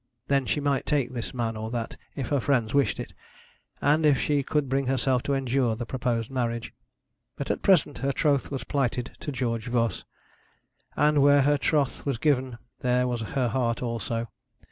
Then she might take this man or that, if her friends wished it and if she could bring herself to endure the proposed marriage. But at present her troth was plighted to George Voss; and where her troth was given, there was her heart also.